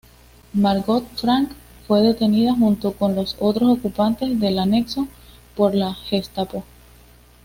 Margot Frank fue detenida, junto con los otros ocupantes del anexo, por la Gestapo.